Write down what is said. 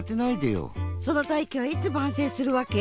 その大器はいつ晩成するわけ？